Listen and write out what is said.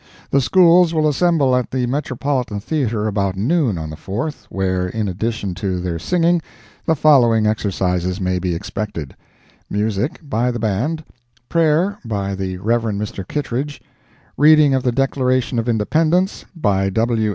The Schools will assemble at the Metropolitan Theatre about noon on the Fourth, where, in addition to their singing, the following exercises may be expected: Music, by the band; Prayer, by the Rev. Mr. Kittredge; Reading of the Declaration of Independence, by W.